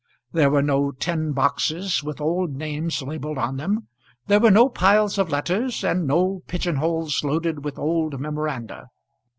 There were no tin boxes with old names labelled on them; there were no piles of letters, and no pigeon holes loaded with old memoranda.